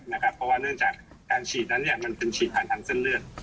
เพราะว่าเนื่องจากการฉีดนั้นมันเป็นฉีดผ่านทางเส้นเลือด